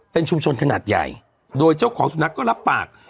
เป็นชุมชนขนาดใหญ่โดยเจ้าของสุนัขก็รับปาก